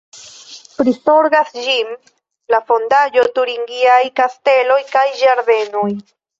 Prizorgas ĝin la "Fondaĵo Turingiaj Kasteloj kaj Ĝardenoj.